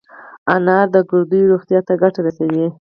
انار د ګردو روغتیا ته ګټه رسوي.